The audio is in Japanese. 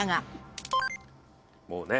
もうね。